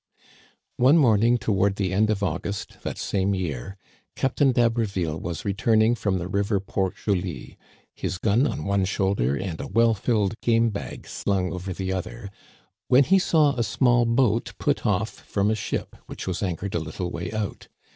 One morning toward the end of August, that same year. Captain d'Haberville was returning from the river Port Joli, his gun on one shoulder and a well filled game bag slung over the other, when he saw a small boat put oflf from a ship which was anchored a little way out.